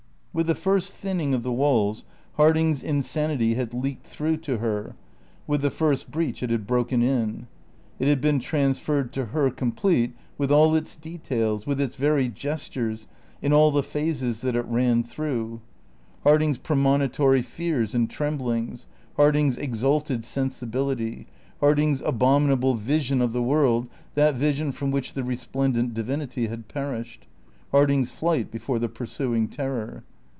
With the first thinning of the walls Harding's insanity had leaked through to her, with the first breach it had broken in. It had been transferred to her complete with all its details, with its very gestures, in all the phases that it ran through; Harding's premonitory fears and tremblings; Harding's exalted sensibility; Harding's abominable vision of the world, that vision from which the resplendent divinity had perished; Harding's flight before the pursuing Terror.